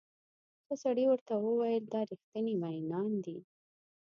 ښه سړي ورته وویل دا ریښتیني مئینان دي.